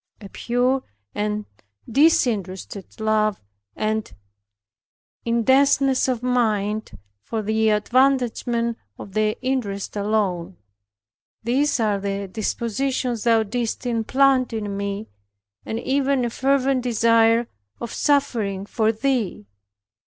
A pure and disinterested love, and intenseness of mind for the advancement of thy interest alone. These are the dispositions Thou didst implant in me, and even a fervent desire of suffering for Thee.